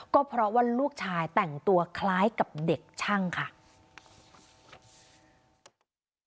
ก็เพราะว่าลูกชายแต่งตัวคล้ายกับเด็กช่างค่ะ